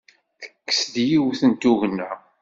Tekkes-d yiwet n tugna.